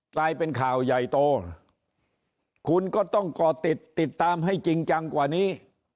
กลายเป็นข่าวใหญ่โตคุณก็ต้องก่อติดติดตามให้จริงจังกว่านี้